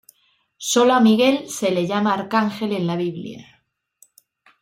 Sólo a Miguel se le llama arcángel en la Biblia.